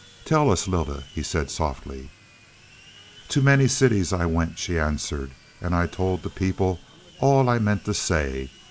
"Tell us Lylda," he said softly. "To many cities I went," she answered. "And I told the people all I meant to say.